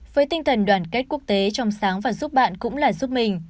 với tinh thần đoàn kết quốc tế trong sáng và giúp bạn cũng là giúp mình